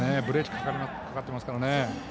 ブレーキがかかっていますからね。